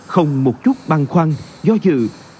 không một chút băng khoăn do dự